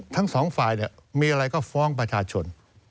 ทั้งสองฝ่ายมีอะไรก็ฟ้องประชาชน